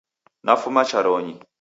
Nafuma charonyi